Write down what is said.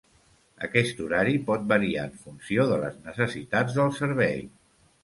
Aquest horari pot variar en funció de les necessitats del servei.